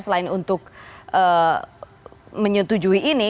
selain untuk menyetujui ini